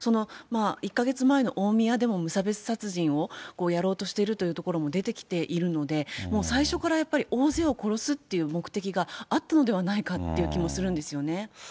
１か月前の大宮でも無差別殺人をやろうとしているというところも出てきているので、最初からやっぱり大勢を殺すっていう目的があったのではないかっ